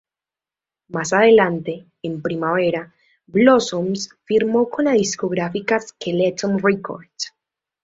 Más adelante, en primavera, Blossoms firmó con la discográfica Skeleton Records.